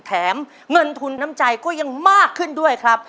แถมเงินทุนน้ำใจก็ยังมากขึ้นด้วยครับ